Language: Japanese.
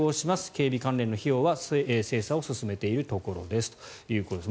警備関連の費用は精査を進めているところですということです。